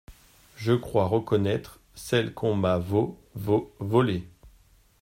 Je crois reconnaître celle qu'on m'a vo … vo … volée !